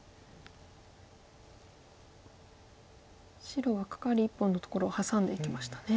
白はカカリ１本のところをハサんでいきましたね。